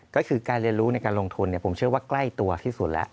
ก็คือการเรียนรู้ในการลงทุนผมเชื่อว่าใกล้ตัวที่สุดแล้ว